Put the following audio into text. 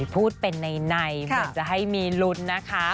พูดเป็นในเหมือนจะให้มีลุ้นนะคะ